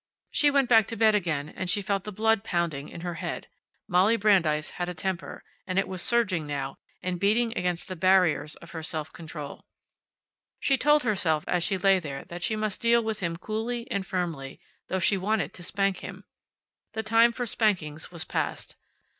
She went back to bed again, and she felt the blood pounding in her head. Molly Brandeis had a temper, and it was surging now, and beating against the barriers of her self control. She told herself, as she lay there, that she must deal with him coolly and firmly, though she wanted to spank him. The time for spankings was past.